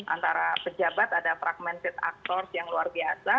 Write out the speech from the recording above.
antara pejabat ada fragmented actors yang luar biasa